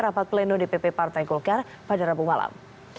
rapat pleno dpp partai golkar pada rabu malam